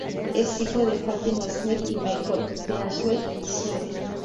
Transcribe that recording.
Es hijo de Fátima Smith y Michael Beasley Sr.